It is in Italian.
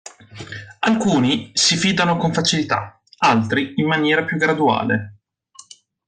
Alcuni si fidano con facilità, altri in maniera più graduale.